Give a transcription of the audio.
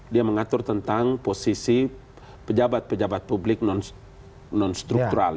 dia mengatur tentang posisi pejabat pejabat publik nonstruktural